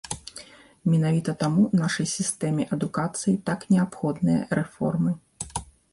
Менавіта таму нашай сістэме адукацыі так неабходныя рэформы.